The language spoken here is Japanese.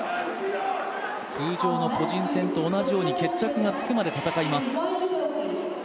通常の個人戦と同じように、決着がつくまで戦います。